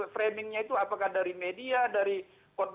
framingnya itu apakah dari media dari konten